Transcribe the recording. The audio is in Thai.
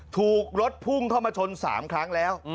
ถูกรถพุ่งเข้ามาชน๓ครั้งแล้ว